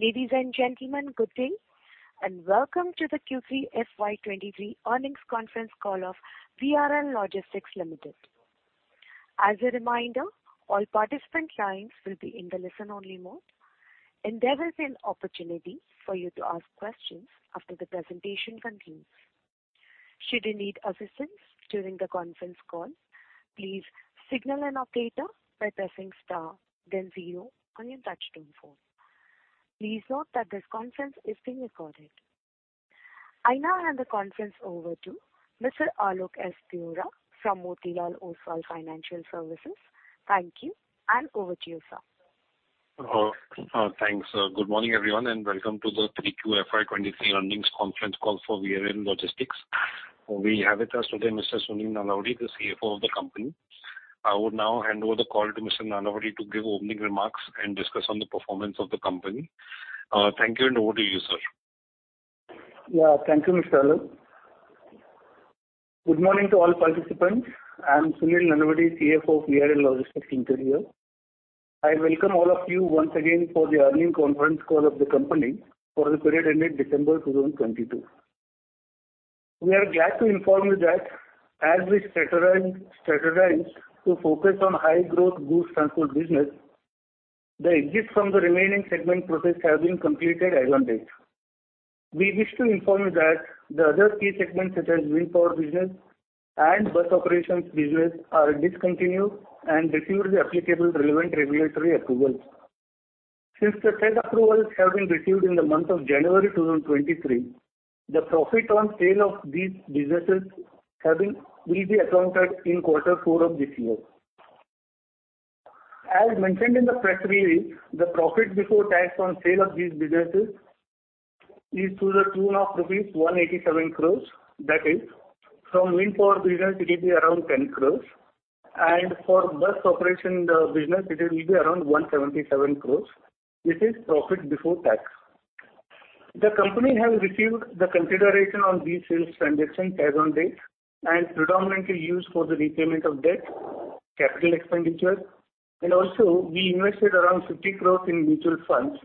Ladies and gentlemen, good day, and welcome to the Q3 FY23 earnings conference call of VRL Logistics Limited. As a reminder, all participant lines will be in the listen-only mode, and there will be an opportunity for you to ask questions after the presentation concludes. Should you need assistance during the conference call, please signal an operator by pressing star, then 0 on your touch-tone phone. Please note that this conference is being recorded. I now hand the conference over to Mr. Alok Deora from Motilal Oswal Financial Services. Thank you, and over to you, sir. Thanks. Good morning, everyone, and welcome to the 3Q FY23 earnings conference call for VRL Logistics. We have with us today Mr. Sunil Nalavadi, the CFO of the company. I would now hand over the call to Mr. Nalavadi to give opening remarks and discuss on the performance of the company. Thank you, and over to you, sir. Thank you, Mr. Alok. Good morning to all participants. I'm Sunil Nalavadi, CFO of VRL Logistics Limited. I welcome all of you once again for the earnings conference call of the company for the period ended December 2022. We are glad to inform you that as we strategized to focus on high-growth goods transport business, the exits from the remaining segment process have been completed as of date. We wish to inform you that the other key segments, such as wind power business and bus operations business, are discontinued and receive the applicable relevant regulatory approvals. Since the NCLT approvals have been received in the month of January 2023, the profit on sale of these businesses will be accounted in quarter four of this year. As mentioned in the press release, the profit before tax on sale of these businesses is to the tune of rupees 187 crore. That is, from wind power business, it will be around 10 crore, and for bus operation business, it will be around 177 crore. This is profit before tax. The company has received the consideration on these sales transactions as of date and predominantly used for the repayment of debt, capital expenditure, and also we invested around 50 crore in mutual funds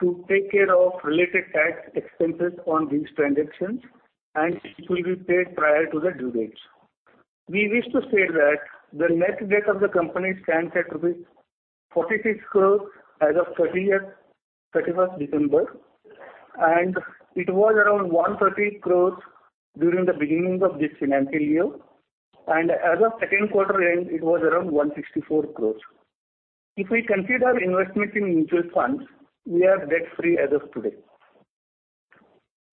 to take care of related tax expenses on these transactions, and it will be paid prior to the due date. We wish to state that the net debt of the company stands at rupees 46 crore as of 31st December, and it was around 130 crore during the beginning of this financial year, and as of second quarter end, it was around 164 crore. If we consider investment in mutual funds, we are debt-free as of today.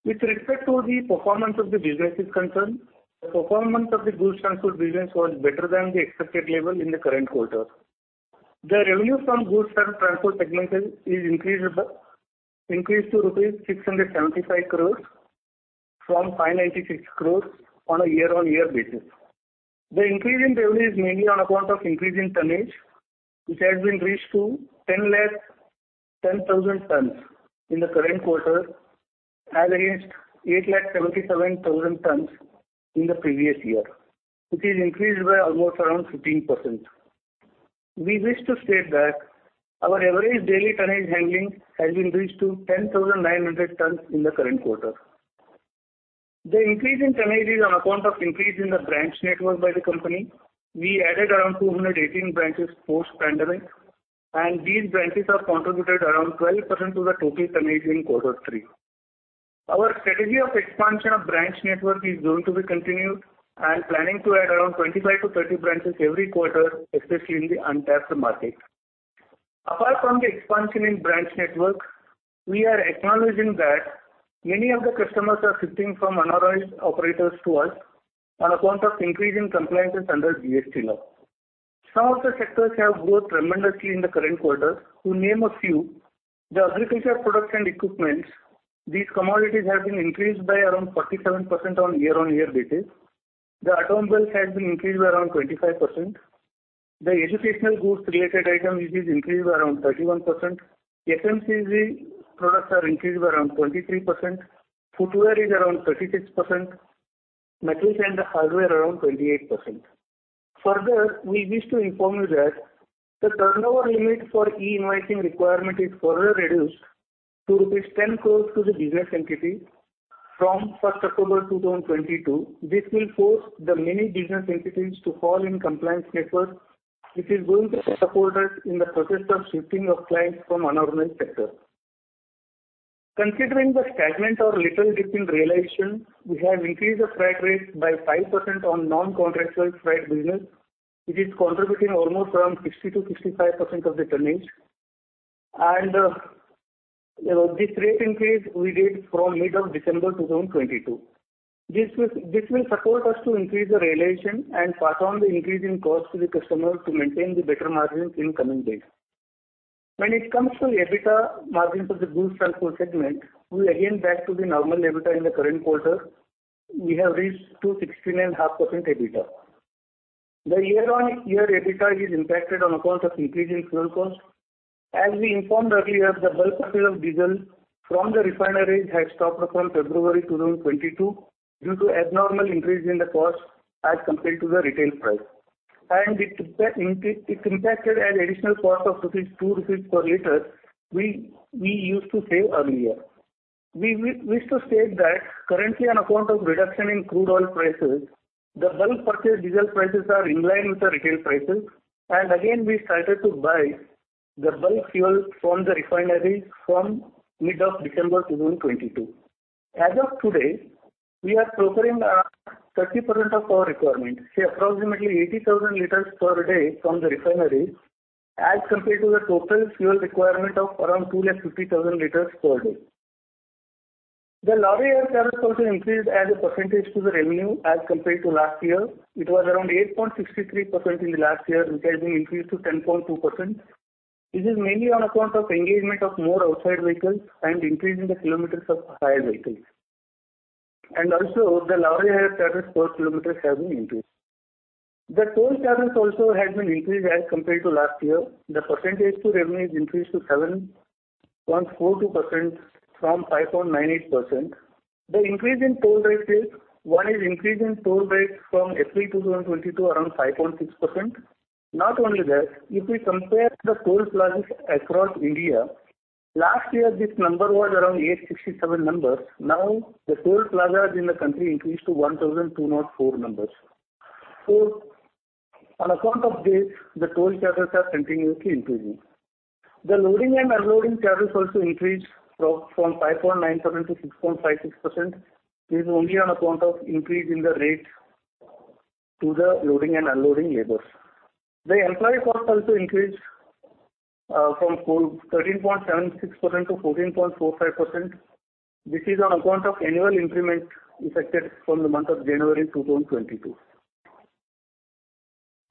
With respect to the performance of the businesses concerned, the performance of the goods transport business was better than the expected level in the current quarter. The revenue from goods transport segments is increased to rupees 675 crores from 596 crores on a year-on-year basis. The increase in revenue is mainly on account of increasing tonnage, which has been reached to 10,000 tons in the current quarter as against 877,000 tons in the previous year, which is increased by almost around 15%. We wish to state that our average daily tonnage handling has been reached to 10,900 tons in the current quarter. The increase in tonnage is on account of increase in the branch network by the company. We added around 218 branches post-pandemic, and these branches have contributed around 12% to the total tonnage in quarter three. Our strategy of expansion of branch network is going to be continued and planning to add around 25-30 branches every quarter, especially in the untapped market. Apart from the expansion in branch network, we are acknowledging that many of the customers are shifting from anonymous operators to us on account of increasing compliances under GST law. Some of the sectors have grown tremendously in the current quarter, to name a few: the agriculture products and equipments, these commodities have been increased by around 47% on a year-on-year basis; the automobile has been increased by around 25%; the educational goods-related item usage increased by around 31%; FMCG products are increased by around 23%; footwear is around 36%; metals and hardware around 28%. Further, we wish to inform you that the turnover limit for E-invoicing requirement is further reduced to INR. 10 crore to the business entity from 1 October 2022. This will force the many business entities to fall in compliance network, which is going to support us in the process of shifting of clients from anonymous sectors. Considering the stagnant or little dip in realization, we have increased the freight rate by 5% on non-contractual freight business, which is contributing almost around 60%-65% of the tonnage. This rate increase we did from mid-December 2022. This will support us to increase the realization and pass on the increasing cost to the customer to maintain the better margins in coming days. When it comes to EBITDA margin for the goods transport segment, we again back to the normal EBITDA in the current quarter. We have reached 216.5% EBITDA. The year-on-year EBITDA is impacted on account of increasing fuel cost. As we informed earlier, the bulk purchase of diesel from the refineries has stopped from February 2022 due to abnormal increase in the cost as compared to the retail price, and it impacted an additional cost of 2 rupees per liter we used to save earlier. We wish to state that currently, on account of reduction in crude oil prices, the bulk purchase diesel prices are in line with the retail prices, and again we started to buy the bulk fuel from the refineries from mid-December 2022. As of today, we are procured 30% of our requirement, approximately 80,000 liters per day from the refineries, as compared to the total fuel requirement of around 250,000 liters per day. The lorry hire cargo cost increased as a percentage to the revenue as compared to last year. It was around 8.63% in the last year, which has been increased to 10.2%. This is mainly on account of engagement of more outside vehicles and increase in the kilometers of higher vehicles. Also, the lorry hire cargo cost per kilometers has been increased. The toll charges also has been increased as compared to last year. The percentage to revenue is increased to 7.42% from 5.98%. The increase in toll rate is one is increase in toll rate from April 2022 around 5.6%. Not only that, if we compare the toll plazas across India, last year this number was around 867 numbers. Now the toll plazas in the country increased to 1,204 numbers. So on account of this, the toll cargo costs are continuously increasing. The loading and unloading charges also increased from 5.97%-6.56%. This is only on account of increase in the rate to the loading and unloading labors. The employee cost also increased from 13.76%-14.45%. This is on account of annual increment effected from the month of January 2022.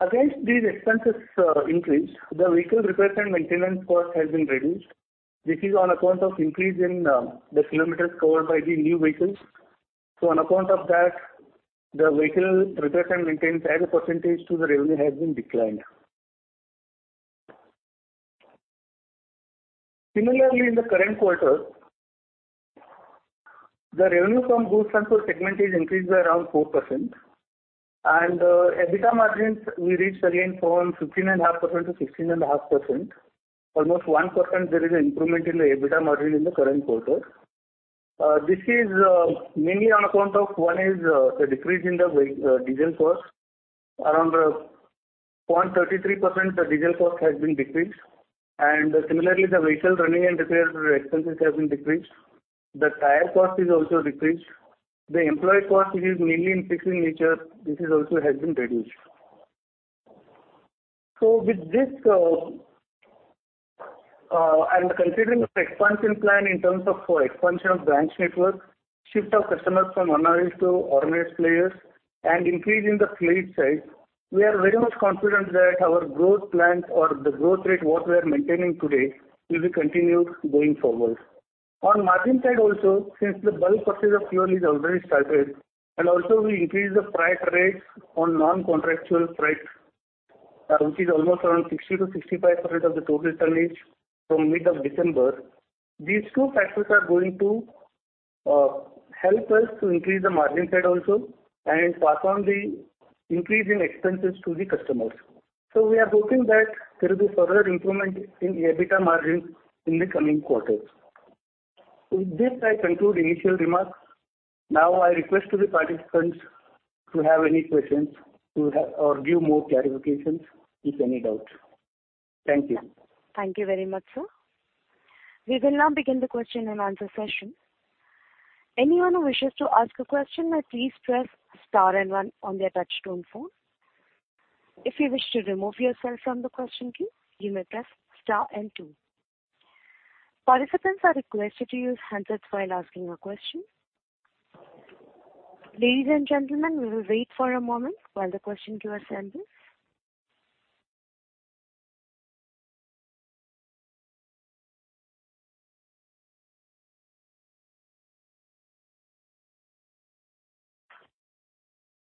Against these expenses increased, the vehicle repair and maintenance cost has been reduced. This is on account of increase in the kilometers covered by the new vehicles. So on account of that, the vehicle repair and maintenance as a percentage to the revenue has been declined. Similarly, in the current quarter, the revenue from goods transport segment is increased by around 4%, and the EBITDA margins we reached again from 15.5%-16.5%. Almost 1% there is an improvement in the EBITDA margin in the current quarter. This is mainly on account of one is the decrease in the diesel cost. Around 0.33% the diesel cost has been decreased. And similarly, the vehicle running and repair expenses have been decreased. The tire cost is also decreased. The employee cost, which is mainly fixed in nature, this also has been reduced. So with this and considering the expansion plan in terms of expansion of branch network, shift of customers from anonymous to organized players, and increase in the fleet size, we are very much confident that our growth plans or the growth rate what we are maintaining today will be continued going forward. On margin side also, since the bulk purchase of fuel is already started, and also we increased the freight rates on non-contractual freight, which is almost around 60%-65% of the total tonnage from mid-December, these two factors are going to help us to increase the margin side also and pass on the increase in expenses to the customers. So we are hoping that there will be further improvement in EBITDA margins in the coming quarters. With this, I conclude initial remarks. Now I request to the participants to have any questions or give more clarifications, if any doubts. Thank you. Thank you very much, sir. We will now begin the question and answer session. Anyone who wishes to ask a question may please press star and one on their touch-tone phone. If you wish to remove yourself from the question queue, you may press star and two. Participants are requested to use handsets while asking a question. Ladies and gentlemen, we will wait for a moment while the question queue assembles.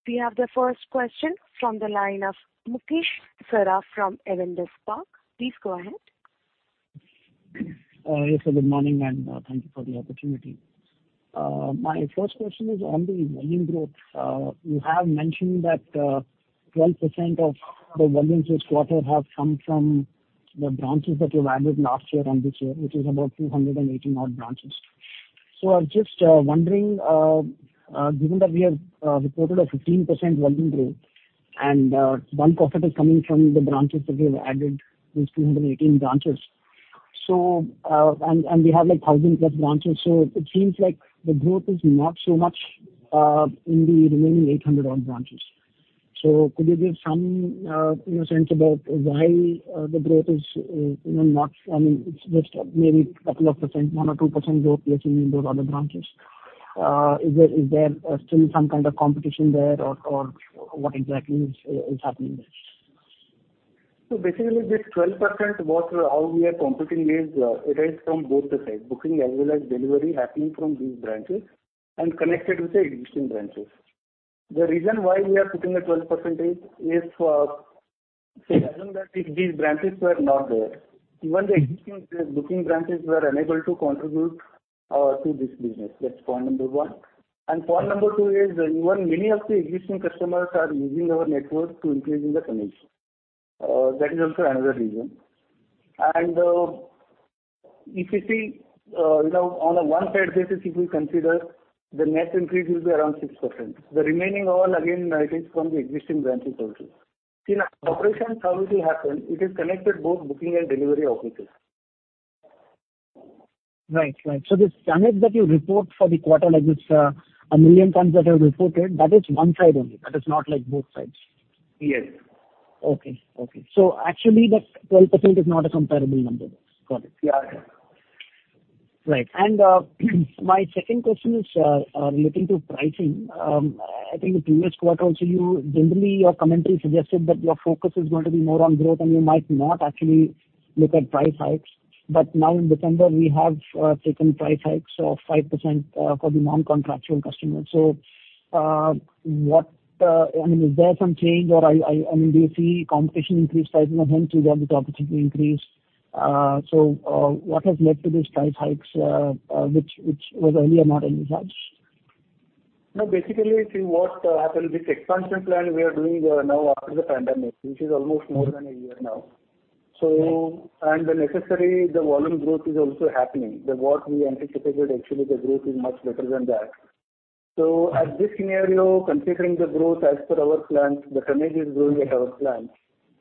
We have the first question from the line of Mukesh Saraf from Avendus Spark. Please go ahead. Yes, good morning, and thank you for the opportunity. My first question is on the volume growth. You have mentioned that 12% of the volume this quarter have come from the branches that you've added last year and this year, which is about 280-odd branches. So I was just wondering, given that we have reported a 15% volume growth and bulk profit is coming from the branches that you've added, these 218 branches, and we have 1,000-plus branches, so it seems like the growth is not so much in the remaining 800-odd branches. So could you give some sense about why the growth is not I mean, it's just maybe a couple of %, 1%-2% growth, yes, in those other branches? Is there still some kind of competition there, or what exactly is happening there? So basically, this 12% what we are competing with, it is from both the side, booking as well as delivery happening from these branches and connected with the existing branches. The reason why we are putting a 12% is, say, assume that these branches were not there. Even the existing booking branches were unable to contribute to this business. That's point number one. And point number two is even many of the existing customers are using our network to increase in the tonnage. That is also another reason. And if you see, on a one-sided basis, if we consider, the net increase will be around 6%. The remaining all, again, it is from the existing branches also. In operations, how it will happen, it is connected both booking and delivery offices. Right, right. So the tonnage that you report for the quarter, like this 1 million tons that you reported, that is one side only. That is not both sides. Yes. Okay, okay. So actually, that 12% is not a comparable number. Got it. Yeah, I think. Right. And my second question is relating to pricing. I think the previous quarter also, generally, your commentary suggested that your focus is going to be more on growth, and you might not actually look at price hikes. But now in December, we have taken price hikes of 5% for the non-contractual customers. So what I mean, is there some change, or I mean, do you see competition increase prices and hence you got this opportunity to increase? So what has led to these price hikes, which was earlier not any such? No, basically, see what happened, this expansion plan we are doing now after the pandemic, which is almost more than a year now. And the necessary, the volume growth is also happening. What we anticipated, actually, the growth is much better than that. So at this scenario, considering the growth as per our plans, the tonnage is growing at our plant.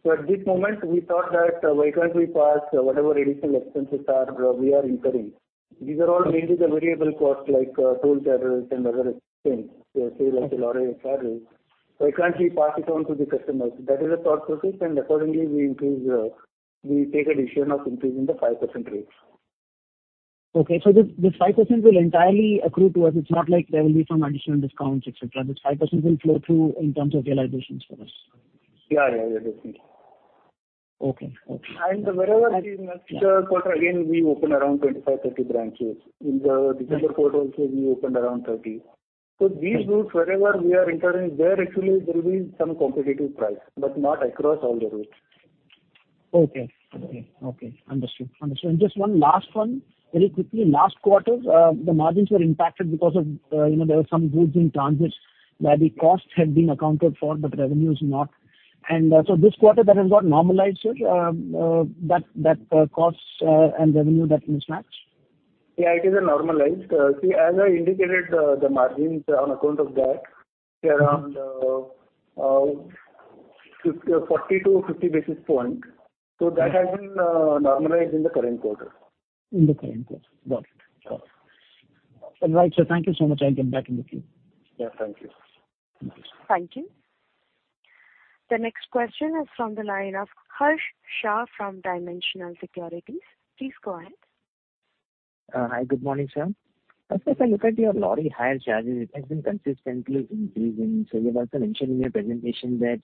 So at this moment, we thought that why can't we pass whatever additional expenses we are incurring? These are all mainly the variable costs like toll cargo and other things, say like a lot of cargo. Why can't we pass it on to the customers? That is a thought process, and accordingly, we take a decision of increasing the 5% rate. Okay. So this 5% will entirely accrue to us. It's not like there will be some additional discounts, etc. This 5% will flow through in terms of realizations for us. Yeah, yeah, yeah, definitely. Okay, okay. Wherever the next quarter, again, we open around 25, 30 branches. In the December quarter also, we opened around 30. These routes, wherever we are entering, there actually will be some competitive price, but not across all the routes. Okay, okay, okay. Understood, understood. And just one last one, very quickly. Last quarter, the margins were impacted because of there were some goods in transit where the costs had been accounted for but revenues not. And so this quarter, that has got normalized, sir, that cost and revenue that mismatch? Yeah, it is normalized. See, as I indicated, the margins on account of that, they're around 40-50 basis points. So that has been normalized in the current quarter. In the current quarter. Got it, got it. All right, sir. Thank you so much. I'll get back in the queue. Yeah, thank you. Thank you. Thank you. The next question is from the line of Harsh Shah from Dimensional Securities. Please go ahead. Hi, good morning, sir. As far as I look at your lorry hire charges, it has been consistently increasing. So you've also mentioned in your presentation that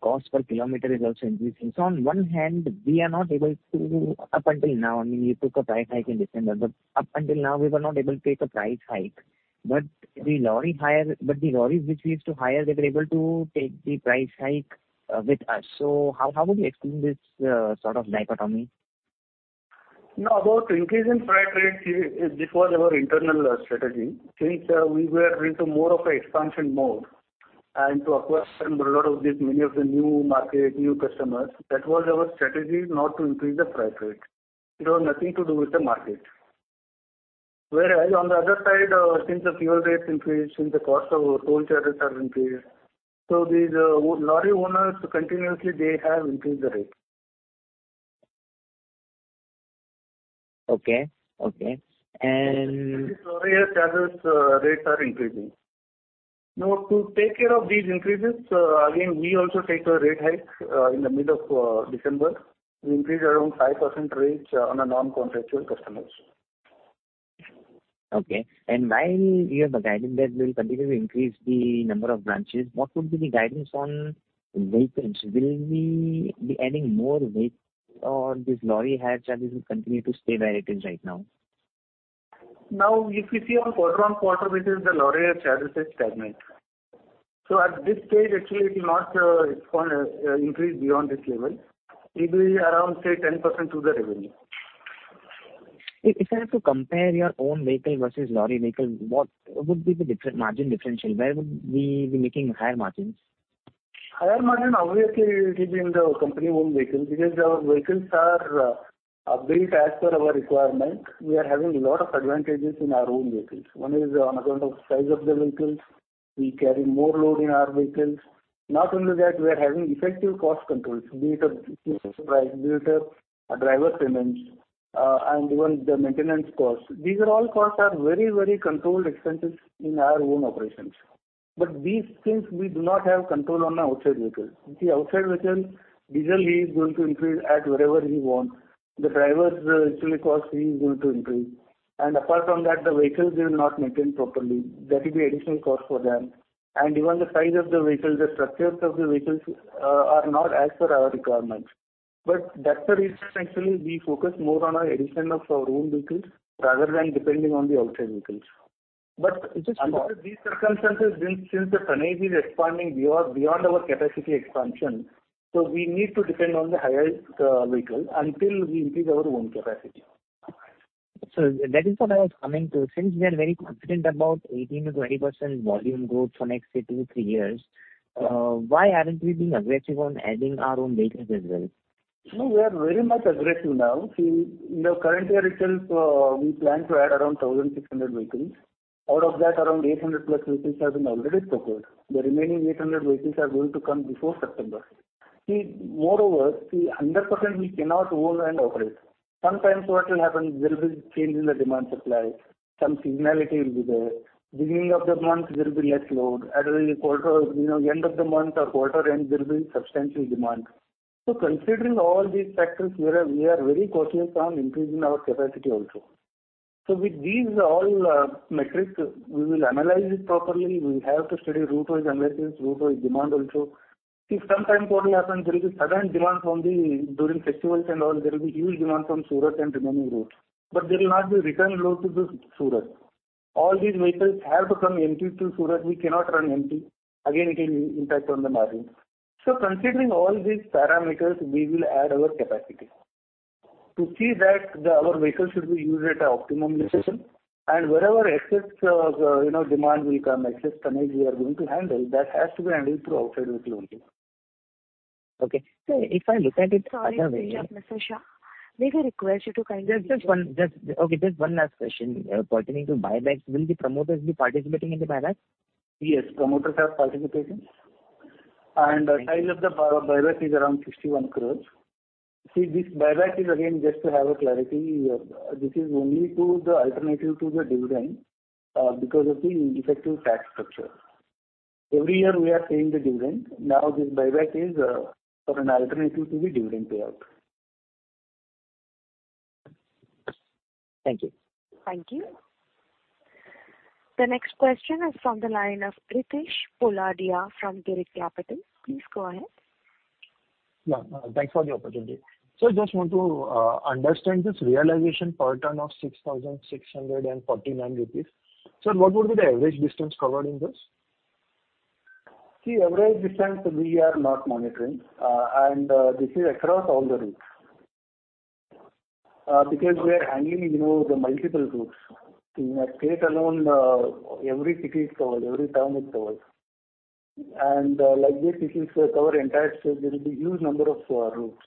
cost per kilometer is also increasing. So on one hand, we are not able to up until now, I mean, you took a price hike in December, but up until now, we were not able to take a price hike. But the lorry hire, but the lorry hire which we used to hire, they were able to take the price hike with us. So how would you explain this sort of dichotomy? No, about increase in freight rates, this was our internal strategy. Since we were into more of an expansion mode and to acquire a lot of this, many of the new market, new customers, that was our strategy not to increase the freight rate. It was nothing to do with the market. Whereas on the other side, since the fuel rates increased, since the cost of toll charges has increased, so these lorry hire owners, continuously, they have increased the rate. Okay, okay. And. Since lorry hire cargo rates are increasing. No, to take care of these increases, again, we also take a rate hike in the middle of December. We increase around 5% rate on non-contractual customers. Okay. While you have a guidance that we'll continue to increase the number of branches, what would be the guidance on vehicles? Will we be adding more vehicles, or this lorry hire charges will continue to stay where it is right now? No, if you see on quarter-on-quarter, this is the lorry hire charges is stagnant. So at this stage, actually, it's not increased beyond this level. It will be around, say, 10% to the revenue. If I have to compare your own vehicle versus lorry hire vehicle, what would be the margin differential? Where would we be making higher margins? Higher margin, obviously, it will be in the company-owned vehicles because our vehicles are built as per our requirement. We are having a lot of advantages in our own vehicles. One is on account of the size of the vehicles. We carry more load in our vehicles. Not only that, we are having effective cost controls, be it a price, be it a driver payments, and even the maintenance costs. These are all costs that are very, very controlled expenses in our own operations. But these things, we do not have control on the outside vehicles. The outside vehicle, diesel, he is going to increase at wherever he wants. The driver's actual cost, he is going to increase. And apart from that, the vehicles, they will not maintain properly. That will be additional cost for them. Even the size of the vehicles, the structures of the vehicles are not as per our requirements. That's the reason, actually, we focus more on an addition of our own vehicles rather than depending on the outside vehicles. Just because of these circumstances, since the tonnage is expanding beyond our capacity expansion, so we need to depend on the higher vehicle until we increase our own capacity. So that is what I was coming to. Since we are very confident about 18%-20% volume growth for next, say, two, three years, why aren't we being aggressive on adding our own vehicles as well? No, we are very much aggressive now. See, in the current year, itself, we plan to add around 1,600 vehicles. Out of that, around 800+ vehicles have been already procured. The remaining 800 vehicles are going to come before September. See, moreover, see, 100% we cannot own and operate. Sometimes what will happen, there will be change in the demand supply. Some seasonality will be there. Beginning of the month, there will be less load. At the end of the month or quarter end, there will be substantial demand. So considering all these factors, we are very cautious on increasing our capacity also. So with these all metrics, we will analyze it properly. We have to study route-wise analysis, route-wise demand also. See, sometime what will happen, there will be sudden demands during festivals and all. There will be huge demand from Surat and remaining routes. But there will not be return load to Surat. All these vehicles have to come empty to Surat. We cannot run empty. Again, it will impact on the margins. So considering all these parameters, we will add our capacity to see that our vehicles should be used at an optimum level. And wherever excess demand will come, excess tonnage we are going to handle, that has to be handled through outside vehicle only. Okay. So if I look at it another way. Sorry to interrupt, Mr. Shah. May we request you to kindly. Just one. Okay, just one last question. Pertaining to buybacks, will the promoters be participating in the buybacks? Yes, promoters are participating. The size of the buyback is around 51 crore. See, this buyback is, again, just to have a clarity, this is only the alternative to the dividend because of the effective tax structure. Every year, we are paying the dividend. Now, this buyback is for an alternative to the dividend payout. Thank you. Thank you. The next question is from the line of Ritesh Poladia from Girik Capital. Please go ahead. Yeah, thanks for the opportunity. Sir, just want to understand this realization pattern of 6,649 rupees. Sir, what would be the average distance covered in this? See, average distance, we are not monitoring. And this is across all the routes because we are handling the multiple routes. In a state alone, every city is covered. Every town is covered. And like this, if we cover entire states, there will be a huge number of routes.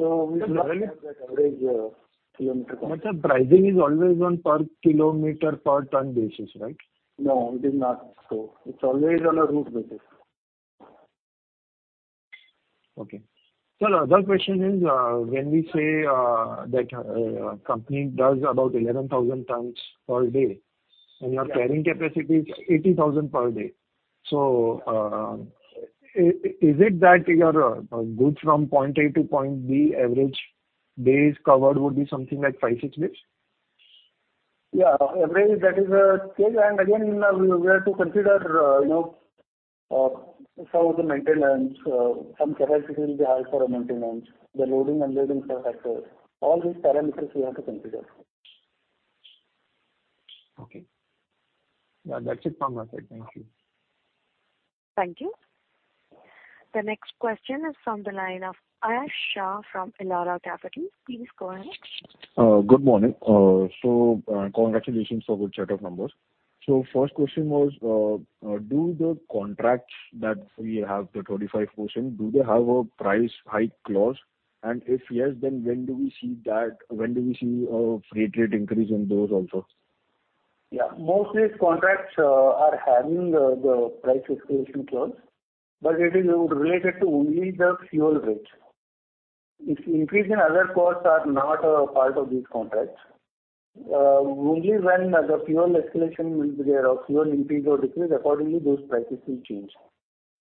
So we do not have that average kilometer cost. But the pricing is always on per kilometer, per ton basis, right? No, it is not so. It's always on a route basis. Okay. Sir, the other question is, when we say that a company does about 11,000 tons per day, and your carrying capacity is 80,000 per day. So is it that your goods from point A to point B, average days covered would be something like 5-6 days? Yeah, average, that is a stage. And again, we have to consider some of the maintenance. Some capacity will be held for maintenance, the loading and loading per factor. All these parameters, we have to consider. Okay. Yeah, that's it from my side. Thank you. Thank you. The next question is from the line of Ayush Shah from Elara Capital. Please go ahead. Good morning. Congratulations for good set of numbers. First question was, do the contracts that we have, the 25%, do they have a price hike clause? And if yes, then when do we see that when do we see a freight rate increase in those also? Yeah, mostly, contracts are having the price escalation clause. But it will relate only to the fuel rate. If increase in other costs are not part of these contracts, only when the fuel escalation will be there or fuel increase or decrease, accordingly, those prices will change.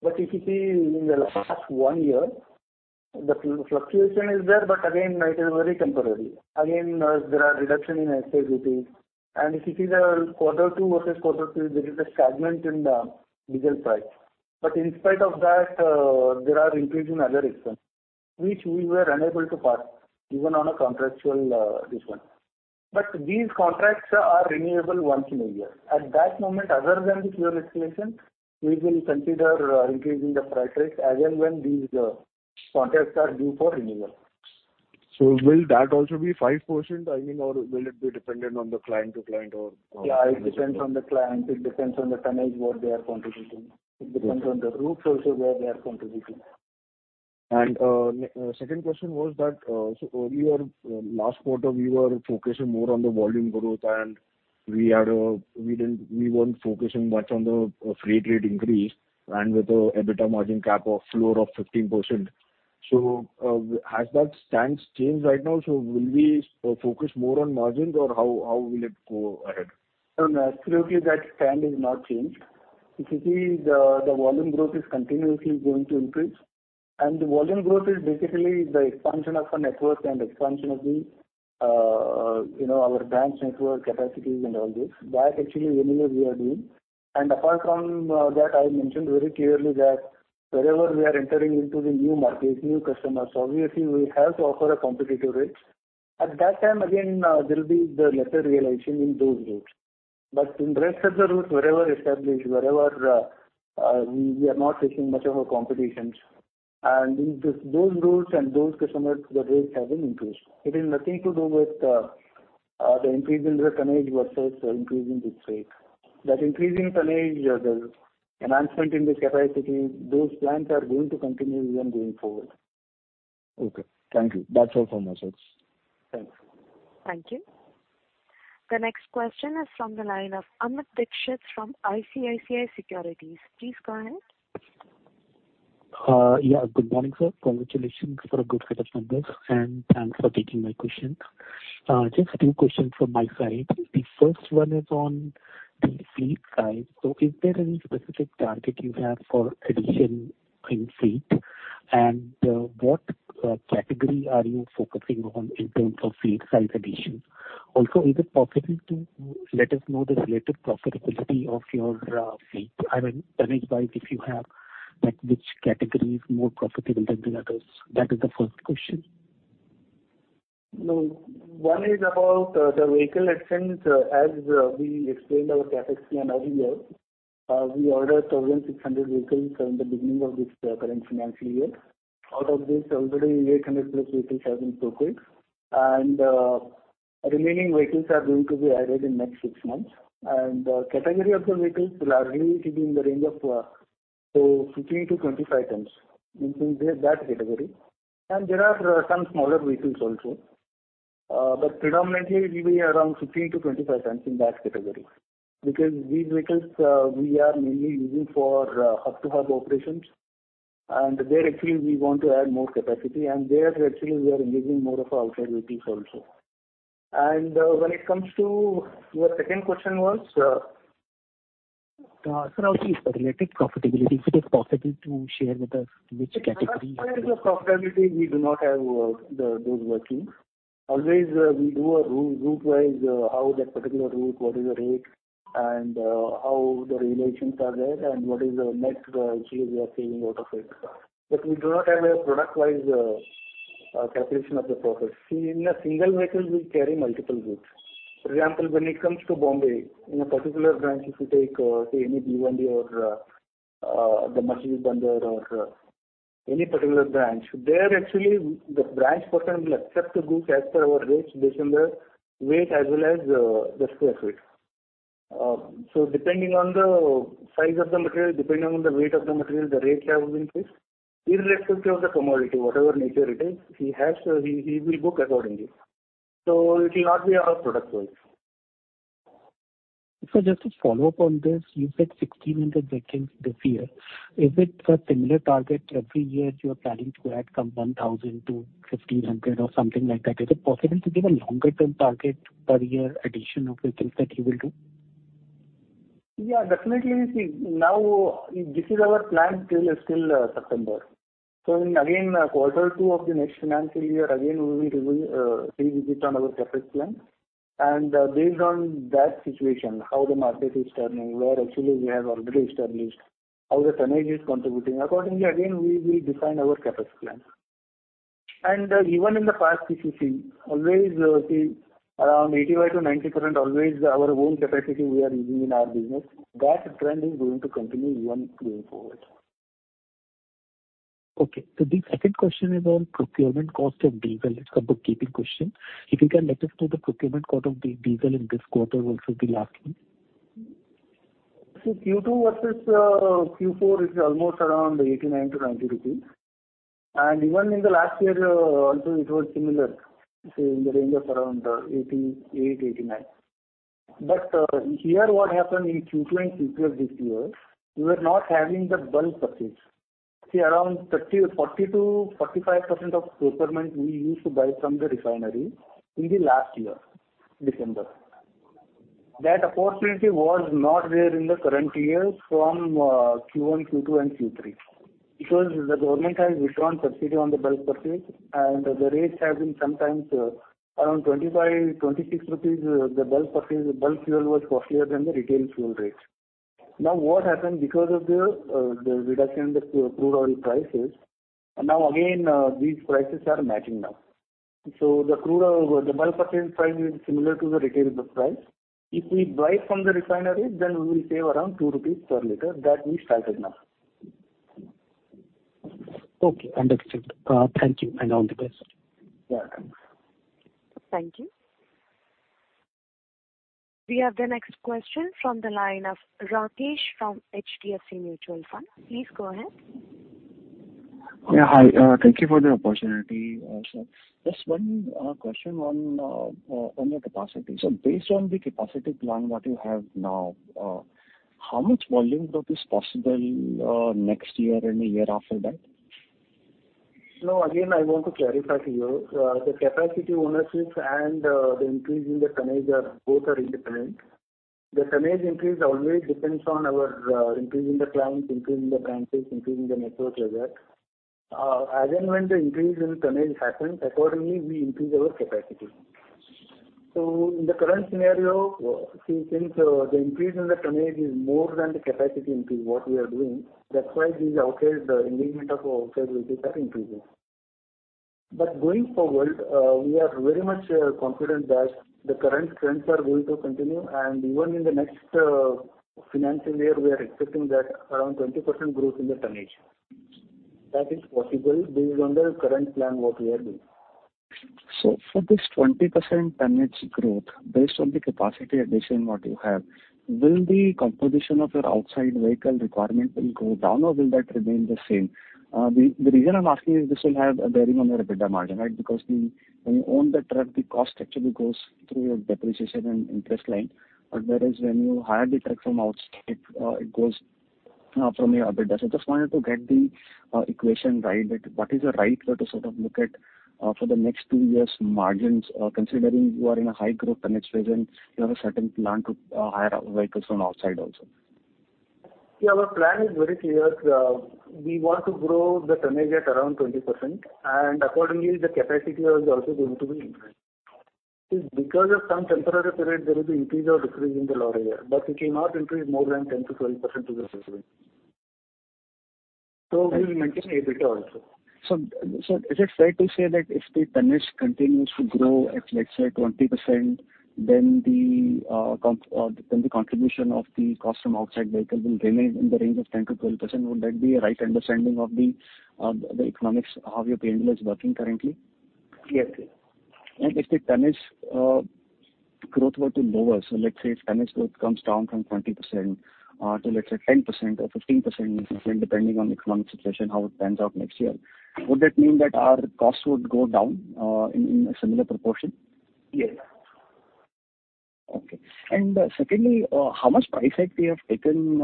But if you see in the last one year, the fluctuation is there, but again, it is very temporary. Again, there are reductions in excess duties. And if you see the quarter two versus quarter three, there is a stagnation in the diesel price. But in spite of that, there are increases in other expenses, which we were unable to pass even on a contractual discount. But these contracts are renewable once in a year. At that moment, other than the fuel escalation, we will consider increasing the freight rates again when these contracts are due for renewal. Will that also be 5% timing, or will it be dependent on the client-to-client, or? Yeah, it depends on the client. It depends on the tonnage, what they are contributing. It depends on the routes also where they are contributing. Second question was that so earlier, last quarter, we were focusing more on the volume growth, and we weren't focusing much on the freight rate increase and with an EBITDA margin cap of floor of 15%. So has that stand changed right now? So will we focus more on margins, or how will it go ahead? No, no. Absolutely, that stand is not changed. If you see, the volume growth is continuously going to increase. The volume growth is basically the expansion of our network and expansion of our branch network capacities and all this. That actually is anything we are doing. Apart from that, I mentioned very clearly that wherever we are entering into the new market, new customers, obviously, we have to offer a competitive rate. At that time, again, there will be the lesser realization in those routes. But in the rest of the routes, wherever established, wherever we are not facing much of a competition. In those routes and those customers, the rates have been increased. It has nothing to do with the increase in the tonnage versus increasing this rate. That increasing tonnage, the enhancement in the capacity, those plans are going to continue even going forward. Okay. Thank you. That's all from my side. Thanks. Thank you. The next question is from the line of Amit Dixit from ICICI Securities. Please go ahead. Yeah, good morning, sir. Congratulations for a good set of numbers, and thanks for taking my question. Just two questions from my side. The first one is on the fleet size. So is there any specific target you have for addition in fleet? And what category are you focusing on in terms of fleet size addition? Also, is it possible to let us know the relative profitability of your fleet? I mean, tonnage-wise, if you have, which category is more profitable than the others? That is the first question. No, one is about the vehicle additions. As we explained our capacity and earlier, we ordered 1,600 vehicles in the beginning of this current financial year. Out of this, already, 800+ vehicles have been procured. And remaining vehicles are going to be added in the next six months. And the category of the vehicles will largely be in the range of 15-25 tons, meaning that category. And there are some smaller vehicles also. But predominantly, it will be around 15-25 tons in that category because these vehicles, we are mainly using for hub-to-hub operations. And there, actually, we want to add more capacity. And there, actually, we are engaging more of our outside vehicles also. And when it comes to your second question was. Sir, I'll see if relative profitability, if it is possible to share with us, which category? As far as profitability, we do not have those workings. Always, we do a route-wise, how that particular route, what is the rate, and how the realizations are there, and what is the net change we are saving out of it. But we do not have a product-wise calculation of the profit. See, in a single vehicle, we carry multiple goods. For example, when it comes to Mumbai, in a particular branch, if you take, say, any Bhiwandi or the Masjid Bunder or any particular branch, there, actually, the branch person will accept the goods as per our rates based on the weight as well as the square foot. So depending on the size of the material, depending on the weight of the material, the rates have been fixed. Irrespective of the commodity, whatever nature it is, he will book accordingly. So it will not be all product-wise. Sir, just to follow up on this, you said 1,600 vehicles this year. Is it a similar target every year you are planning to add from 1,000 to 1,500 or something like that? Is it possible to give a longer-term target per year addition of vehicles that you will do? Yeah, definitely. See, now, this is our plan till still September. So again, quarter two of the next financial year, again, we will revisit on our CapEx plan. And based on that situation, how the market is turning, where actually we have already established, how the tonnage is contributing, accordingly, again, we will define our CapEx plan. And even in the past, if you see, always, see, around 85%-90%, always our own capacity we are using in our business. That trend is going to continue even going forward. Okay. The second question is on procurement cost of diesel. It's a bookkeeping question. If you can let us know the procurement cost of diesel in this quarter versus the last one. See, Q2 versus Q4 is almost around 89-90 rupees. And even in the last year, also, it was similar, see, in the range of around 88-89. But here, what happened in Q2 and Q3 of this year, we were not having the bulk purchase. See, around 40%-45% of procurement we used to buy from the refinery in the last year, December. That opportunity was not there in the current years from Q1, Q2, and Q3 because the government has withdrawn subsidy on the bulk purchase. And the rates have been sometimes around 25-26 rupees. The bulk fuel was costlier than the retail fuel rate. Now, what happened because of the reduction in the crude oil prices? Now, again, these prices are matching now. So the bulk purchase price is similar to the retail price. If we buy from the refinery, then we will save around 2 rupees per liter that we started now. Okay. Understood. Thank you and all the best. Yeah, thanks. Thank you. We have the next question from the line of Rakesh from HDFC Mutual Fund. Please go ahead. Yeah, hi. Thank you for the opportunity, sir. Just one question on your capacity. So based on the capacity plan what you have now, how much volume growth is possible next year and the year after that? No, again, I want to clarify to you. The capacity ownership and the increase in the tonnage both are independent. The tonnage increase always depends on our increase in the clients, increase in the branches, increase in the network as well. Again, when the increase in tonnage happens, accordingly, we increase our capacity. So in the current scenario, see, since the increase in the tonnage is more than the capacity increase, what we are doing, that's why these engagement of outside rates are increasing. But going forward, we are very much confident that the current trends are going to continue. And even in the next financial year, we are expecting that around 20% growth in the tonnage. That is possible based on the current plan what we are doing. So for this 20% tonnage growth based on the capacity addition what you have, will the composition of your outside vehicle requirement go down, or will that remain the same? The reason I'm asking is this will have a bearing on your EBITDA margin, right? Because when you own the truck, the cost actually goes through your depreciation and interest line. But whereas when you hire the truck from outside, it goes from your EBITDA. So I just wanted to get the equation right. What is the right way to sort of look at for the next two years' margins considering you are in a high-growth tonnage phase and you have a certain plan to hire vehicles from outside also? Yeah, our plan is very clear. We want to grow the tonnage at around 20%. Accordingly, the capacity is also going to be increased. See, because of some temporary period, there is an increase or decrease in the lorry hire. It will not increase more than 10%-12% to the equivalent. We will maintain EBITDA also. So is it fair to say that if the tonnage continues to grow at, let's say, 20%, then the contribution of the cost from outside vehicle will remain in the range of 10%-12%? Would that be a right understanding of the economics, how your P&L is working currently? Yes, yes. If the tonnage growth were to lower, so let's say if tonnage growth comes down from 20% to, let's say, 10% or 15%, depending on economic situation, how it pans out next year, would that mean that our costs would go down in a similar proportion? Yes. Okay. Secondly, how much price hike we have taken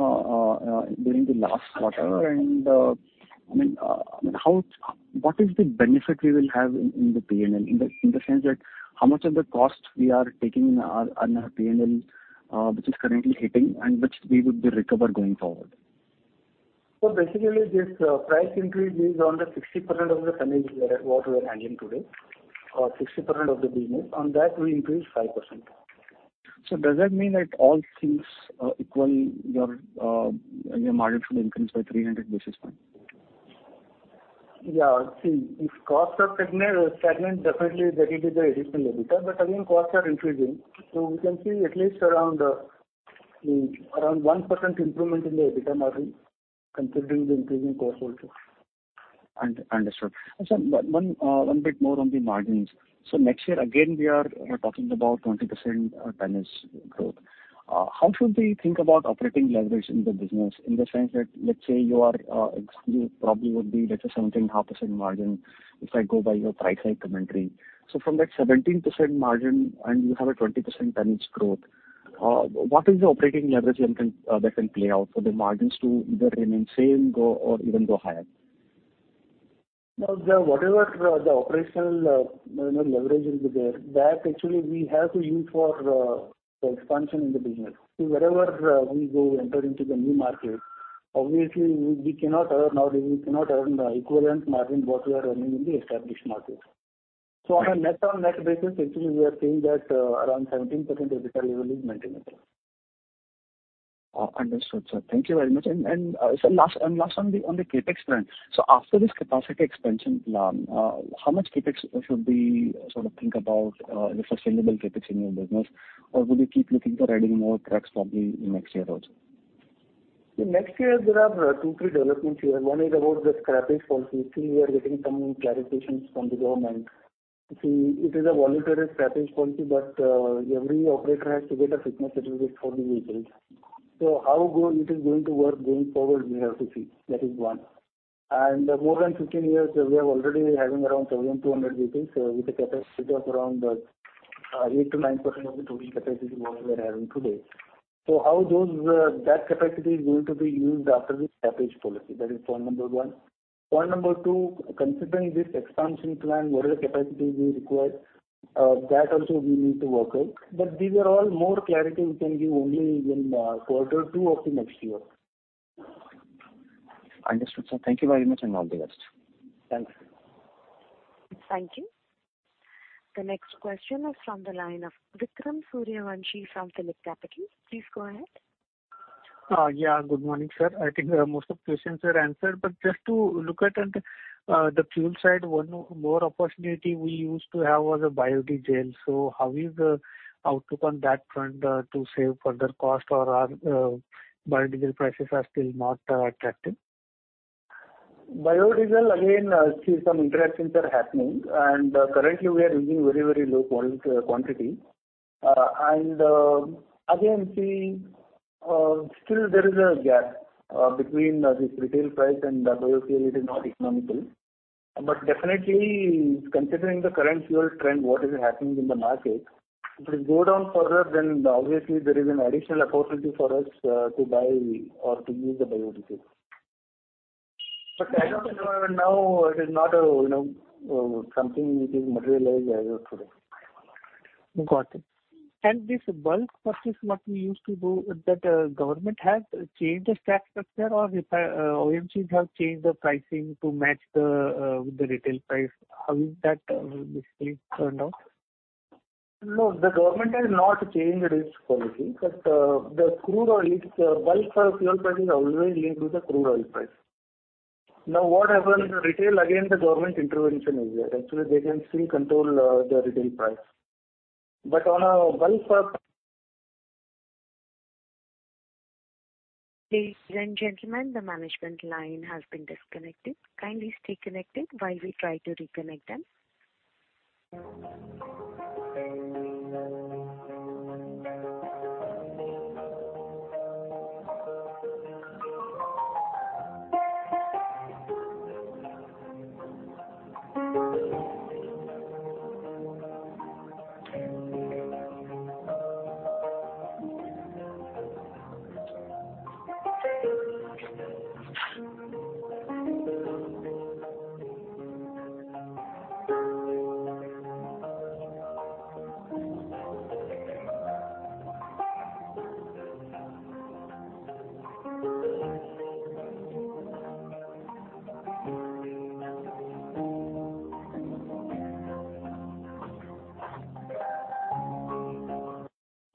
during the last quarter? And I mean, what is the benefit we will have in the P&L in the sense that how much of the cost we are taking in our P&L which is currently hitting and which we would recover going forward? So basically, this price increase is on the 60% of the tonnage what we are handling today, 60% of the business. On that, we increase 5%. Does that mean that all things equal, your margin should increase by 300 basis points? Yeah. See, if costs are stagnant, definitely, that will be the additional EBITDA. But again, costs are increasing. So we can see at least around 1% improvement in the EBITDA margin considering the increasing costs also. Understood. Sir, one bit more on the margins. So next year, again, we are talking about 20% tonnage growth. How should we think about operating leverage in the business in the sense that let's say you probably would be, let's say, 17.5% margin if I go by your price act commentary. So from that 17% margin and you have a 20% tonnage growth, what is the operating leverage that can play out for the margins to either remain same or even go higher? No, sir, whatever the operational leverage will be there, that actually we have to use for the expansion in the business. See, wherever we go enter into the new market, obviously, we cannot earn nowadays, we cannot earn the equivalent margin what we are earning in the established market. So on a net-on-net basis, actually, we are saying that around 17% EBITDA level is maintainable. Understood, sir. Thank you very much. And last one, on the CapEx plan. So after this capacity expansion plan, how much CapEx should we sort of think about the sustainable CapEx in your business? Or will you keep looking for adding more trucks probably in next year also? See, next year, there are 2, 3 developments here. One is about the Scrappage Policy. See, we are getting some clarifications from the government. See, it is a voluntary scrappage policy, but every operator has to get a fitness certificate for the vehicles. So how it is going to work going forward, we have to see. That is one. And more than 15 years, we are already having around 7,200 vehicles with a capacity of around 8%-9% of the total capacity what we are having today. So how that capacity is going to be used after this scrappage policy, that is point number one. Point number two, considering this expansion plan, what is the capacity we require, that also we need to work out. But these are all more clarity we can give only in quarter two of the next year. Understood, sir. Thank you very much and all the best. Thanks. Thank you. The next question is from the line of Vikram Suryavanshi from PhillipCapital. Please go ahead. Yeah, good morning, sir. I think most of the questions were answered. But just to look at the fuel side, one more opportunity we used to have was a biodiesel. So how is the outlook on that front to save further cost or are biodiesel prices still not attractive? Biodiesel, again, see, some interactions are happening. Currently, we are using very, very low quantity. Again, see, still, there is a gap between this retail price and biodiesel. It is not economical. But definitely, considering the current fuel trend, what is happening in the market, if we go down further, then obviously, there is an additional opportunity for us to buy or to use the biodiesel. But as of now, it is not something which is materialized as of today. Got it. And this bulk purchase what we used to do, did the government have changed the stock structure or OMCs have changed the pricing to match with the retail price? How is that basically turned out? No, the government has not changed its policy. But the crude oil, bulk fuel price is always linked with the crude oil price. Now, what happens, retail, again, the government intervention is there. Actually, they can still control the retail price. But on a bulk purchase. Ladies and gentlemen, the management line has been disconnected. Kindly stay connected while we try to reconnect them.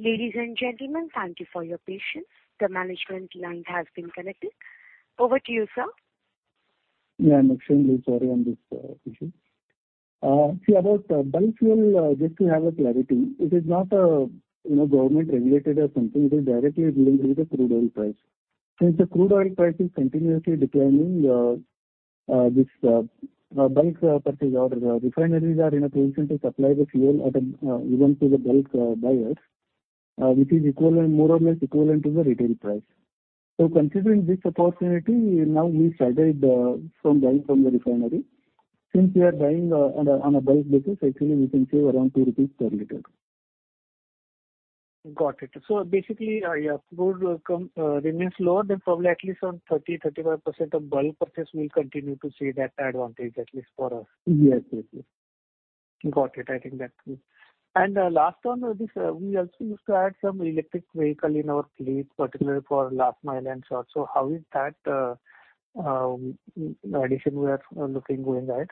Ladies and gentlemen, thank you for your patience. The management line has been connected. Over to you, sir. Yeah, I'm extremely sorry on this issue. See, about bulk fuel, just to have a clarity, it is not a government regulated or something. It is directly linked with the crude oil price. Since the crude oil price is continuously declining, this bulk purchase order, refineries are in a position to supply the fuel even to the bulk buyers, which is more or less equivalent to the retail price. So considering this opportunity, now we started buying from the refinery. Since we are buying on a bulk basis, actually, we can save around 2 rupees per liter. Got it. So basically, your fuel will remain lower than probably at least 30%-35% of bulk purchase. We'll continue to see that advantage at least for us. Yes, yes, yes. Got it. I think that's good. Last one, we also used to add some electric vehicle in our fleet, particularly for last mile and short. So how is that addition we are looking going ahead?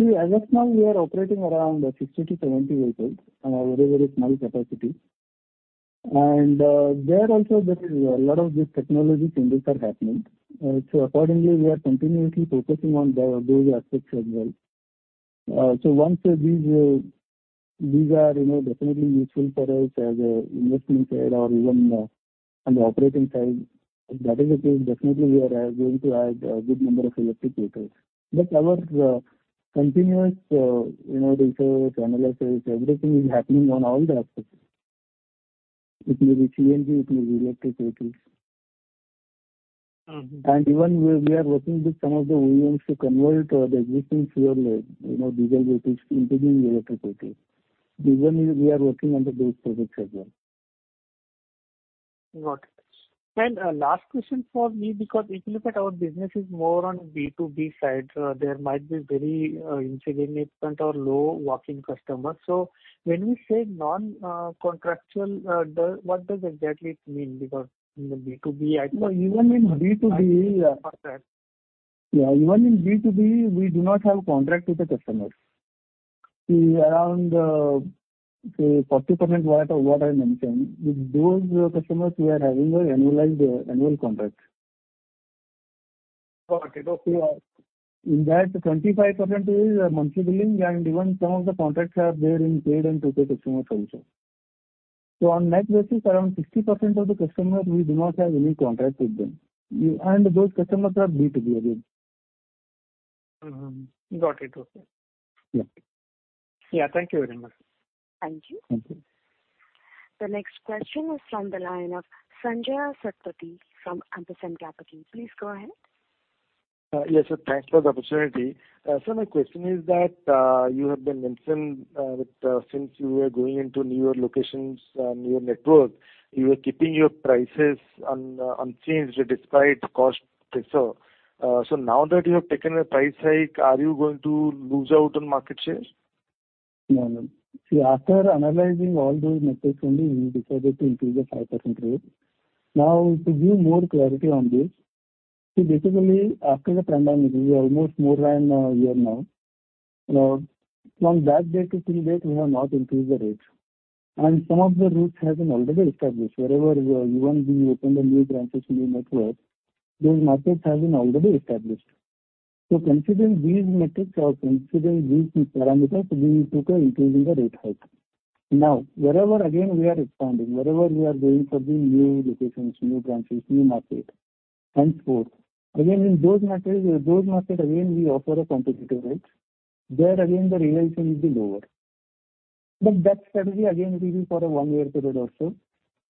See, as of now, we are operating around 60-70 vehicles on a very, very small capacity. There also, there is a lot of these technology changes that are happening. Accordingly, we are continuously focusing on those aspects as well. Once these are definitely useful for us as an investment side or even on the operating side, if that is the case, definitely, we are going to add a good number of electric vehicles. Our continuous research, analysis, everything is happening on all the aspects. It may be CNG. It may be electric vehicles. Even we are working with some of the OEMs to convert the existing fuel diesel vehicles into being electric vehicles. Even we are working on those projects as well. Got it. And last question for me because if you look at our business is more on B2B side, there might be very insignificant or low-walk-in customers. So when we say non-contractual, what does exactly it mean? Because in the B2B, I thought. No, even in B2B, yeah. Yeah, even in B2B, we do not have contract with the customers. See, around, say, 40% what I mentioned, with those customers, we are having an annualized contract with them. Got it. Okay. In that, 25% is monthly billing. Even some of the contracts are there in Paid and To-Pay customers also. On net basis, around 60% of the customers, we do not have any contract with them. Those customers are B2B again. Got it. Okay. Yeah. Thank you very much. Thank you. Thank you. The next question is from the line of Sanjay Satpathy from Ampersand Capital. Please go ahead. Yes, sir. Thanks for the opportunity. Sir, my question is that you have been mentioned that since you were going into newer locations, newer network, you were keeping your prices unchanged despite cost pressure. So now that you have taken a price hike, are you going to lose out on market share? No, no. See, after analyzing all those metrics only, we decided to increase the 5% rate. Now, to give more clarity on this, see, basically, after the pandemic, it is almost more than a year now. From that day to till date, we have not increased the rate. Some of the routes have been already established. Wherever you want to be opened a new branches, new network, those markets have been already established. Considering these metrics or considering these parameters, we took an increase in the rate hike. Now, wherever, again, we are expanding, wherever we are going for the new locations, new branches, new market, and so forth, again, in those markets, again, we offer a competitive rate. There, again, the realization will be lower. But that strategy, again, will be for a one-year period also.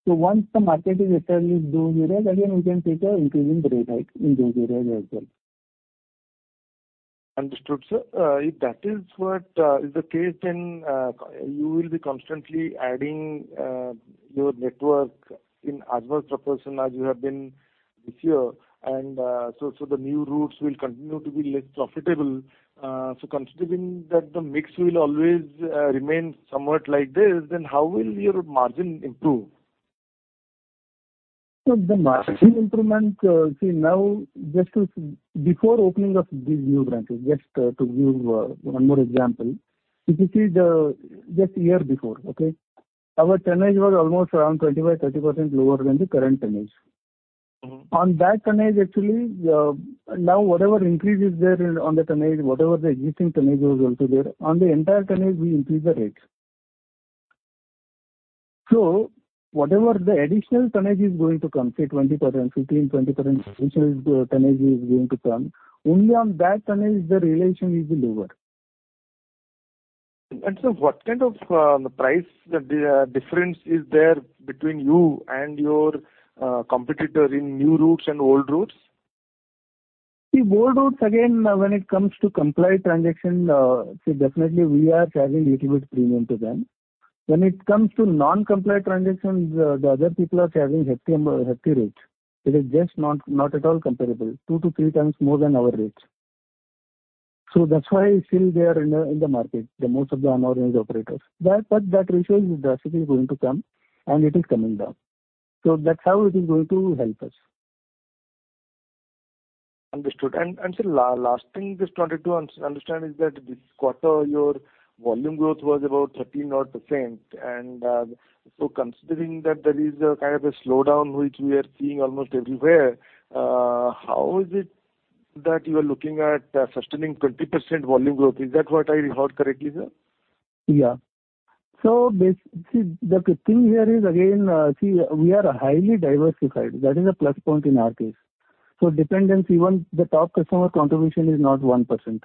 Once the market is established in those areas, again, we can take an increase in the rate hike in those areas as well. Understood, sir. If that is the case, then you will be constantly adding your network in as much proportion as you have been this year. The new routes will continue to be less profitable. Considering that the mix will always remain somewhat like this, then how will your margin improve? So the margin improvement, see, now, just before opening of these new branches, just to give one more example, if you see just a year before, okay, our tonnage was almost around 25%-30% lower than the current tonnage. On that tonnage, actually, now, whatever increase is there on the tonnage, whatever the existing tonnage was also there, on the entire tonnage, we increase the rate. So whatever the additional tonnage is going to come, say, 20%, 15%-20% additional tonnage is going to come, only on that tonnage, the relation will be lower. Sir, what kind of price difference is there between you and your competitor in new routes and old routes? See, old routes, again, when it comes to compliant transaction, see, definitely, we are charging a little bit premium to them. When it comes to non-compliant transactions, the other people are charging hefty rates. It is just not at all comparable, 2-3 times more than our rates. So that's why still they are in the market, most of the unorganized operators. But that ratio is drastically going to come, and it is coming down. So that's how it is going to help us. Understood. And sir, last thing just wanted to understand is that this quarter, your volume growth was about 13 odd %. And so considering that there is kind of a slowdown which we are seeing almost everywhere, how is it that you are looking at sustaining 20% volume growth? Is that what I heard correctly, sir? Yeah. So see, the thing here is, again, see, we are highly diversified. That is a plus point in our case. So dependence, even the top customer contribution is not 1%.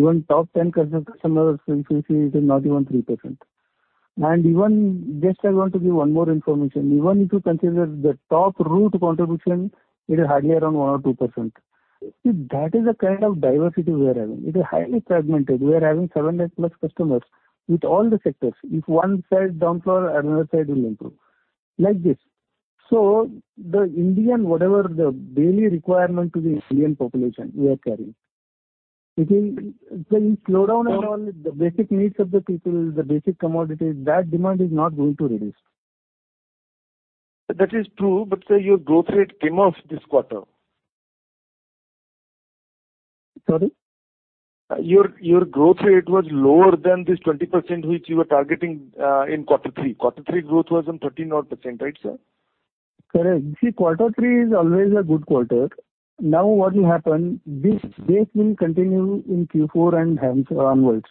Even top 10 customers, if you see, it is not even 3%. And even just I want to give one more information. Even if you consider the top route contribution, it is hardly around 1%-2%. See, that is a kind of diversity we are having. It is highly fragmented. We are having 700+ customers with all the sectors. If one side downfall, another side will improve. Like this. So the Indian, whatever the daily requirement to the Indian population, we are carrying. It will slow down and all the basic needs of the people, the basic commodities, that demand is not going to reduce. That is true. But say your growth rate came off this quarter. Sorry? Your growth rate was lower than this 20% which you were targeting in quarter three. Quarter three growth was on 13-odd%, right, sir? Correct. See, quarter three is always a good quarter. Now, what will happen, this base will continue in Q4 and hence onwards.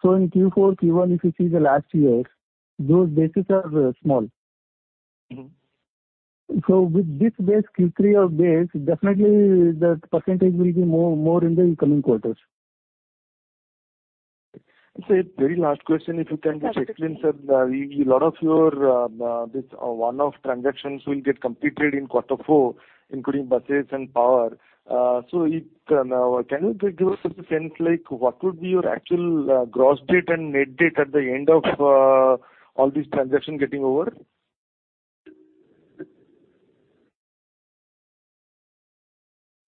So in Q4, Q1, if you see the last year, those bases are small. So with this base, Q3 of base, definitely, the percentage will be more in the coming quarters. Sir, very last question, if you can, just explain, sir, a lot of your one-off transactions will get completed in quarter four, including buses and power. So can you give us a sense what would be your actual gross debt and net debt at the end of all these transactions getting over?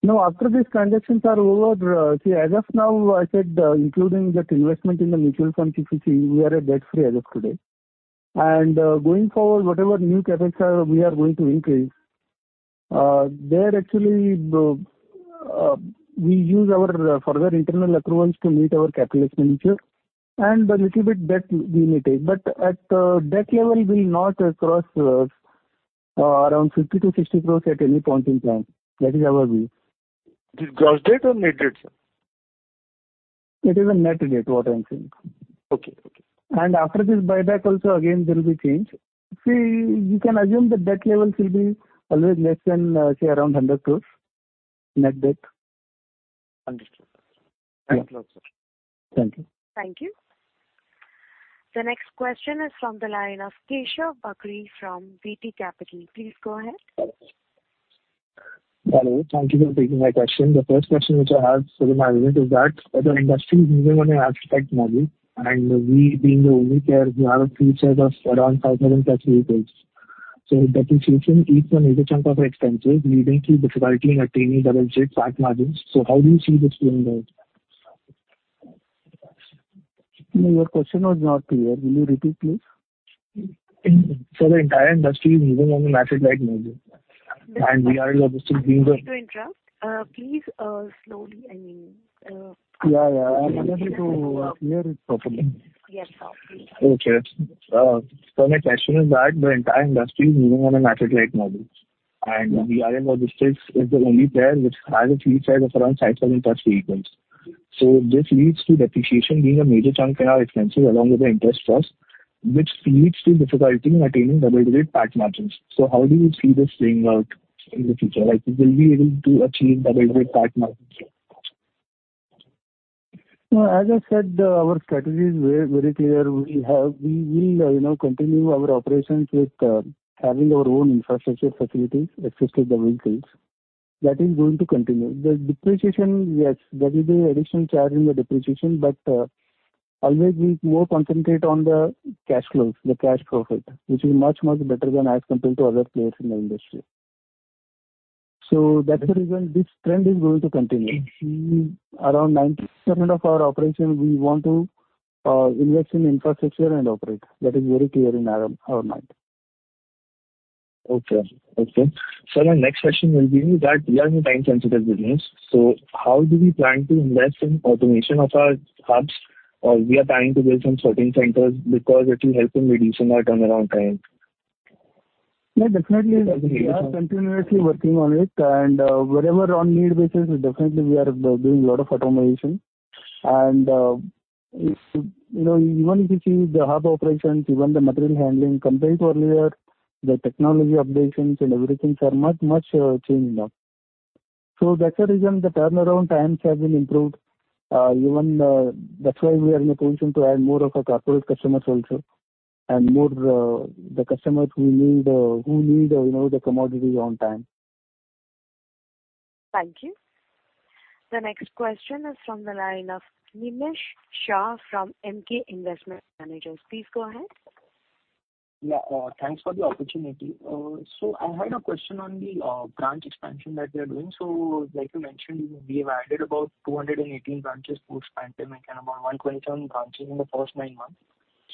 No, after these transactions are over, see, as of now, I said, including that investment in the mutual fund, if you see, we are debt-free as of today. And going forward, whatever new CapEx we are going to increase, there actually, we use our further internal approvals to meet our CapEx manager and the little bit debt we may take. But at the debt level, we will not cross around 50-60 crores at any point in time. That is our view. Is it gross debt or net debt, sir? It is a net debt, what I'm saying. After this buyback also, again, there will be change. See, you can assume the debt levels will be always less than, say, around 100 crore net debt. Understood. Thank you a lot, sir. Thank you. Thank you. The next question is from the line of Keshav from VT Capital. Please go ahead. Hello. Thank you for taking my question. The first question which I have for the management is that the industry is moving on an asset-light margin, and we being the only player who have a fleet size of around 5,000+ vehicles. So depreciation eats a major chunk of our expenses, leading to difficulty in attaining double-digit margins. So how do you see this playing out? No, your question was not clear. Will you repeat, please? The entire industry is moving on a asset-light margin, and we are in the distance being the. Sorry to interrupt. Please slowly. I mean. Yeah, yeah. I'm unable to hear it properly. Yes, sir, please. Okay. So my question is that the entire industry is moving on a meager margin, and VRL Logistics is the only player which has a fleet of around 5,000+ vehicles. So this leads to depreciation being a major chunk in our expenses along with the interest cost, which leads to difficulty in attaining double-digit EBITDA margins. So how do you see this playing out in the future? Will we be able to achieve double-digit EBITDA margins? Well, as I said, our strategy is very clear. We will continue our operations with having our own infrastructure facilities access to the vehicles. That is going to continue. The depreciation, yes, there will be additional charge in the depreciation, but always, we more concentrate on the cash flows, the cash profit, which is much, much better than as compared to other players in the industry. So that's the reason this trend is going to continue. Around 90% of our operation, we want to invest in infrastructure and operate. That is very clear in our mind. Okay. Okay. So my next question will be that we are in a time-sensitive business. So how do we plan to invest in automation of our hubs, or we are planning to build some sorting centers because it will help in reducing our turnaround time? Yeah, definitely. We are continuously working on it. Wherever on need basis, definitely, we are doing a lot of automation. Even if you see the hub operations, even the material handling, compared to earlier, the technology updates and everything are much, much changed now. That's the reason the turnaround times have been improved. That's why we are in a position to add more of our corporate customers also and more the customers who need the commodities on time. Thank you. The next question is from the line of Nimesh Shah from Emkay Investment Managers. Please go ahead. Yeah. Thanks for the opportunity. So I had a question on the branch expansion that we are doing. So like you mentioned, we have added about 218 branches post-pandemic and about 127 branches in the first 9 months.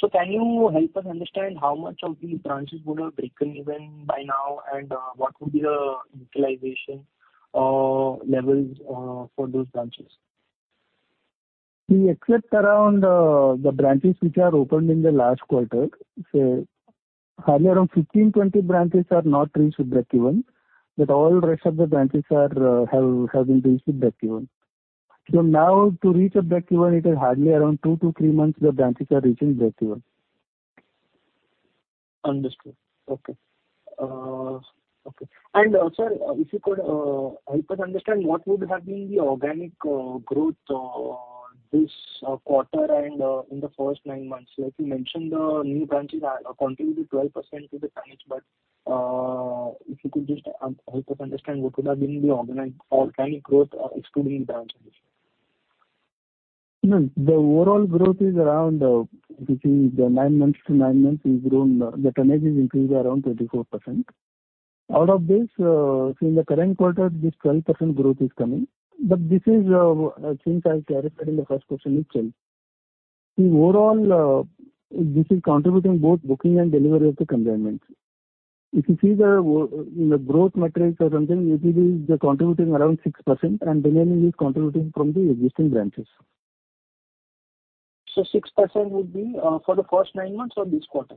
So can you help us understand how much of these branches would have broken even by now, and what would be the utilization levels for those branches? See, except around the branches which are opened in the last quarter, say, hardly around 15, 20 branches are not reached with break-even. But all the rest of the branches have been reached with break-even. So now, to reach a break-even, it is hardly around 2-3 months the branches are reaching break-even. Understood. Okay. Okay. And sir, if you could help us understand, what would have been the organic growth this quarter and in the first nine months? You mentioned the new branches contributed 12% to the tonnage, but if you could just help us understand, what would have been the organic growth excluding the branches? No, the overall growth is around, if you see, the 9 months to 9 months, the tonnage is increased around 24%. Out of this, see, in the current quarter, this 12% growth is coming. But this is, since I clarified in the first question, it's changed. See, overall, this is contributing both booking and delivery of the containments. If you see the growth metrics or something, it will be contributing around 6%, and the remaining is contributing from the existing branches. 6% would be for the first nine months or this quarter?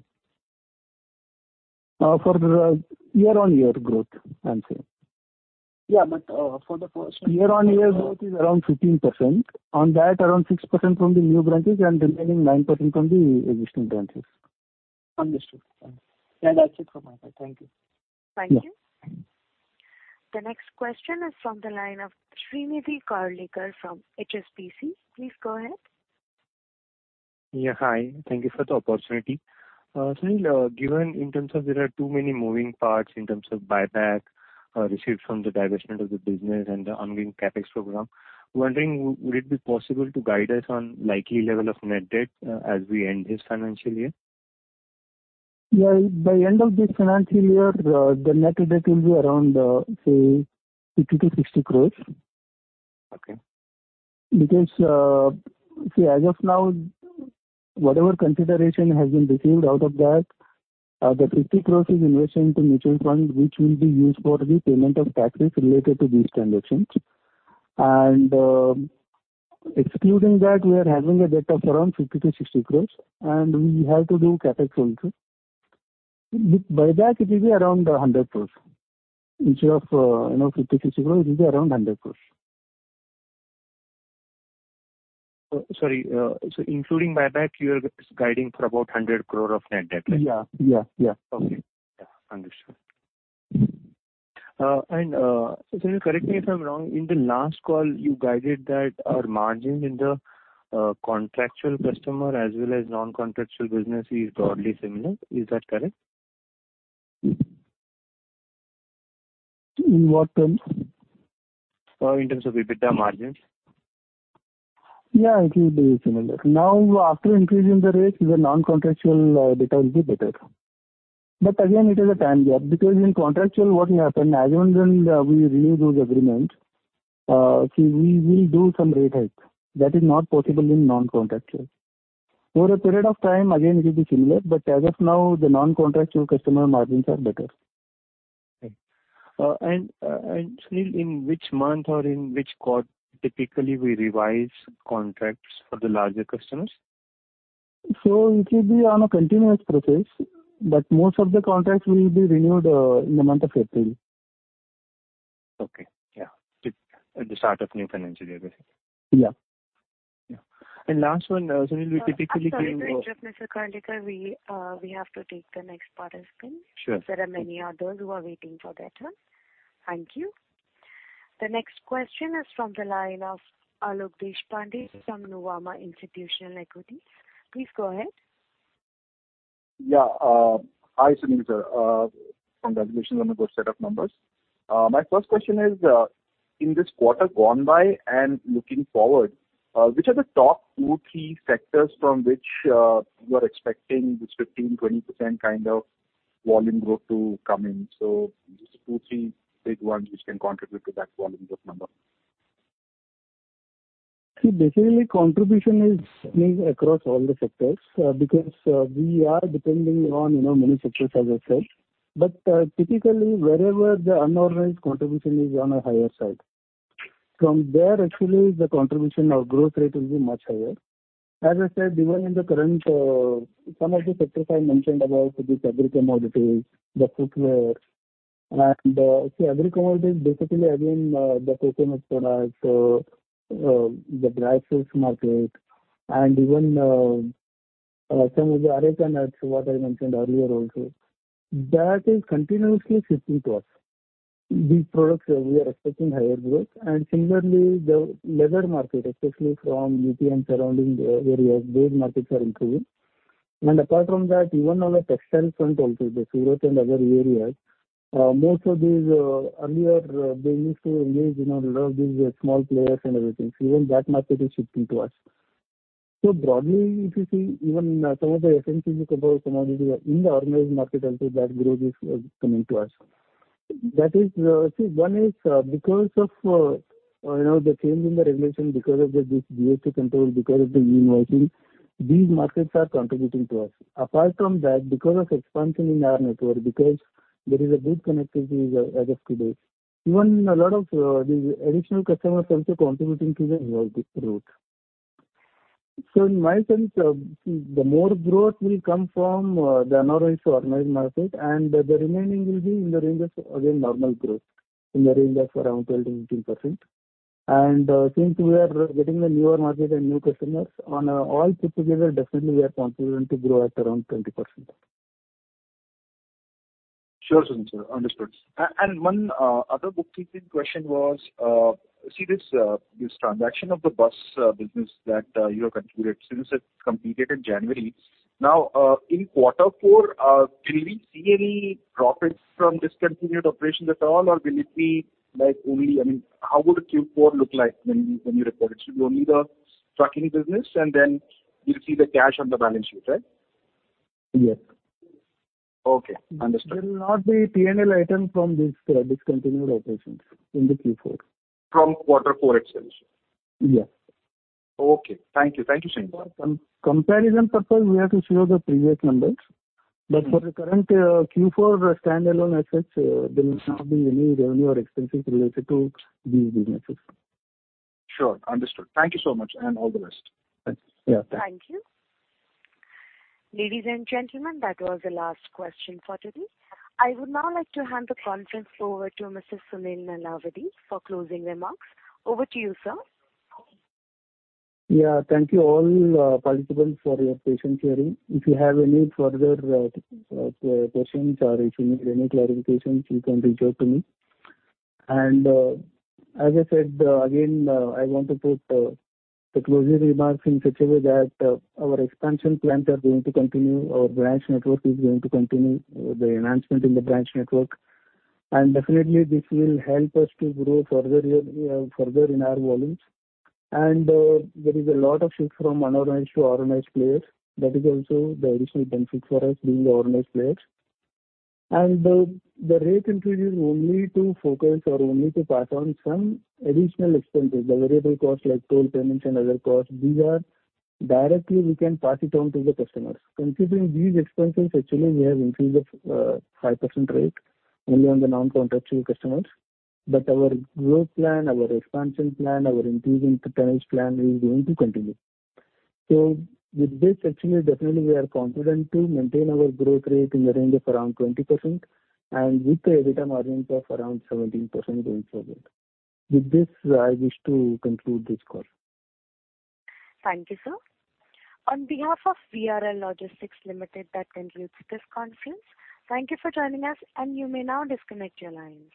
For year-on-year growth, I'm saying. Yeah, but for the first nine months. Year-on-year growth is around 15%. On that, around 6% from the new branches and remaining 9% from the existing branches. Understood. Yeah, that's it from my side. Thank you. Thank you. The next question is from the line of Srinidhi Karlekar from HSBC. Please go ahead. Yeah, hi. Thank you for the opportunity. Srinidhi, given in terms of there are too many moving parts in terms of buyback received from the diversion of the business and the ongoing CapEx program, wondering, would it be possible to guide us on likely level of net debt as we end this financial year? Well, by the end of this financial year, the net debt will be around, say, 50-60 crores. Because, see, as of now, whatever consideration has been received out of that, the 50 crores is invested into mutual funds, which will be used for the payment of taxes related to these transactions. Excluding that, we are having a debt of around 50-60 crores, and we have to do CapEx also. With buyback, it will be around 100 crores. Instead of 50-60 crores, it will be around 100 crores. Sorry. So including buyback, you are guiding for about 100 crore of net debt, right? Yeah. Yeah. Yeah. Okay. Yeah, understood. Sir, correct me if I'm wrong. In the last call, you guided that our margin in the contractual customer as well as non-contractual business is broadly similar. Is that correct? In what terms? In terms of EBITDA margins. Yeah, it will be similar. Now, after increasing the rates, the non-contractual data will be better. But again, it is a time gap. Because in contractual, what will happen, as soon as we renew those agreements, see, we will do some rate hikes. That is not possible in non-contractual. Over a period of time, again, it will be similar. But as of now, the non-contractual customer margins are better. Okay. Srinidhi, in which month or in which quarter typically we revise contracts for the larger customers? So it will be on a continuous process, but most of the contracts will be renewed in the month of April. Okay. Yeah. At the start of new financial year, basically. Yeah. Yeah. Last one, Srinidhi, we typically give. Sorry to interrupt, Mr. Karlekar. We have to take the next part as well. Is there many others who are waiting for their turn? Thank you. The next question is from the line of Alok Deshpande from Nuvama Institutional Equities. Please go ahead. Yeah. Hi, Srinidhi, sir. From the evaluation, it's a good set of numbers. My first question is, in this quarter gone by and looking forward, which are the top two, three sectors from which you are expecting this 15%-20% kind of volume growth to come in? So just two, three big ones which can contribute to that volume growth number. See, basically, contribution means across all the sectors because we are depending on many sectors, as I said. But typically, wherever the unorganized contribution is on a higher side, from there, actually, the contribution or growth rate will be much higher. As I said, even in the current, some of the sectors I mentioned about, the agri-commodities, the footwear. And see, agri-commodities, basically, again, the coconut product, the dry fruits market, and even some of the areca nuts, what I mentioned earlier also, that is continuously shifting towards these products where we are expecting higher growth. And similarly, the leather market, especially from UP and surrounding areas, those markets are improving. And apart from that, even on a textile front also, the Surat and other areas, most of these earlier, they used to engage in a lot of these small players and everything. Even that market is shifting towards. So broadly, if you see, even some of the FMCG composite commodities in the organized market also, that growth is coming towards. See, one is because of the change in the regulation, because of this GST control, because of the e-invoicing, these markets are contributing to us. Apart from that, because of expansion in our network, because there is a good connectivity as of today, even a lot of these additional customers are also contributing to the growth rate. So in my sense, see, the more growth will come from the unorganized to organized market, and the remaining will be in the range of, again, normal growth, in the range of around 12%-15%. And since we are getting a newer market and new customers, on all put together, definitely, we are confident to grow at around 20%. Sure, Srinidhi, sir. Understood. And one other bookkeeping question was, see, this transaction of the bus business that you have contributed, since it completed in January, now, in quarter four, will we see any profits from discontinued operations at all, or will it be only, I mean, how would Q4 look like when you report it? It should be only the trucking business, and then you'll see the cash on the balance sheet, right? Yes. Okay. Understood. There will not be P&L items from these discontinued operations in the Q4. From quarter four itself? Yes. Okay. Thank you. Thank you, Srinidhi. For comparison purposes, we have to show the previous numbers. But for the current Q4 standalone assets, there will not be any revenue or expenses related to these businesses. Sure. Understood. Thank you so much, and all the best. Thanks. Yeah. Thanks. Thank you. Ladies and gentlemen, that was the last question for today. I would now like to hand the conference over to Mr. Sunil Nalavadi for closing remarks. Over to you, sir. Yeah. Thank you all participants for your patient hearing. If you have any further questions or if you need any clarifications, you can reach out to me. As I said, again, I want to put the closing remarks in such a way that our expansion plans are going to continue. Our branch network is going to continue the enhancement in the branch network. Definitely, this will help us to grow further in our volumes. There is a lot of shift from unorganized to organized players. That is also the additional benefit for us being organized players. The rate increase is only to focus or only to pass on some additional expenses, the variable costs like toll payments and other costs. Directly, we can pass it on to the customers. Considering these expenses, actually, we have increased the 5% rate only on the non-contractual customers. But our growth plan, our expansion plan, our increase in tonnage plan is going to continue. So with this, actually, definitely, we are confident to maintain our growth rate in the range of around 20% and with the EBITDA margins of around 17% going forward. With this, I wish to conclude this call. Thank you, sir. On behalf of VRL Logistics Limited, that concludes this conference, thank you for joining us, and you may now disconnect your lines.